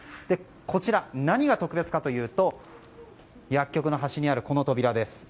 こちら、何が特別かというと薬局の端にあるこの扉です。